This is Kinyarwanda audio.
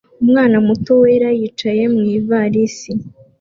Umwana muto wera yicaye mu ivarisi